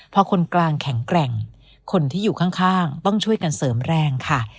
พอคนกลางแข็งแกร่งคนที่อยู่ข้างต้องช่วยกันเสริมแรงค่ะ